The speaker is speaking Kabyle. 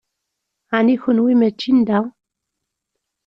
Ɛni kenwi mačči n da?